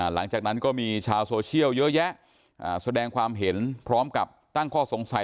หลังจากนั้นก็มีชาวโซเชียลเยอะแยะแสดงความเห็นพร้อมกับตั้งข้อสงสัย